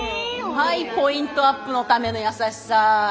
はいポイントアップのための優しさ。